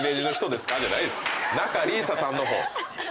仲里依紗さんの方。